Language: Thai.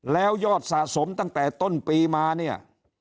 แล้วยอดสะสมตั้งแต่ต้นปีมาเนี่ย